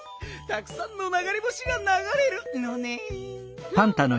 たくさんのながれ星がながれるのねん。